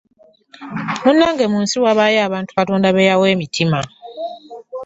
Munnange mu nsi wabaayo abantu Katonda be yawa emitima!